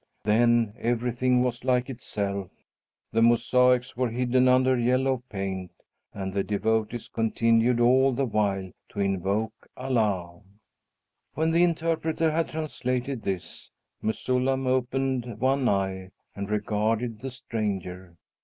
Then everything was like itself. The mosaics were hidden under the yellow paint and the devotees continued all the while to invoke Allah." When the interpreter had translated this, Mesullam opened one eye and regarded the stranger.